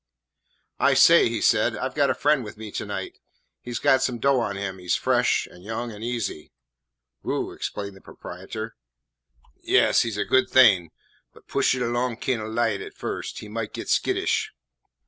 "I say," he said, "I 've got a friend with me to night. He 's got some dough on him. He 's fresh and young and easy." "Whew!" exclaimed the proprietor. "Yes, he 's a good thing, but push it along kin' o' light at first; he might get skittish."